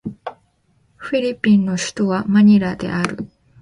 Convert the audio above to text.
フィリピンの首都はマニラである